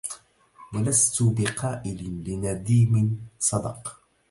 ولست بقائل لنديم صدق